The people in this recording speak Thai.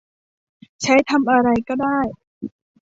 ใช้ทำอะไรก็ได้